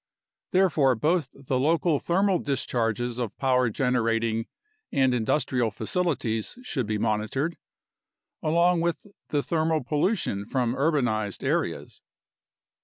Therefore both the local thermal discharges of power generating and industrial facilities should be monitored, along with the thermal pollution from urbanized areas.